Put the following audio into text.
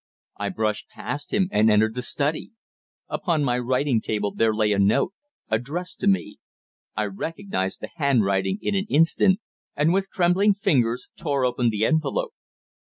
I brushed past him and entered the study. Upon my writing table there lay a note addressed to me. I recognized the handwriting in an instant, and with trembling fingers tore open the envelope.